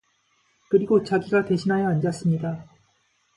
그리고 자기가 대신하여 앉았습니다.